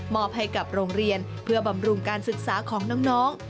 อบให้กับโรงเรียนเพื่อบำรุงการศึกษาของน้อง